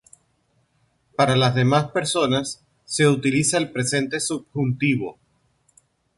Para las demás personas se utiliza el presente del subjuntivo.